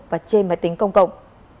và trên máy tính công cộng